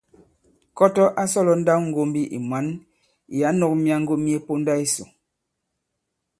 Kɔtɔ a sɔ̀lɔ nndawŋgōmbi ì mwǎn ì ǎ nɔ̄k myaŋgo mye ponda yisò.